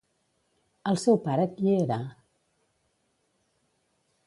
El seu pare qui era?